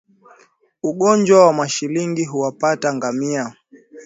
Ugonjwa wa mashilingi huwapata ngamia